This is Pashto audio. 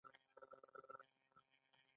دژبې اعتبار دقوم اعتبار دی.